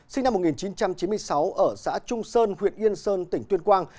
sinh năm một nghìn chín trăm chín mươi sáu ở xã trung sơn huyện yên sơn tỉnh tuyên quang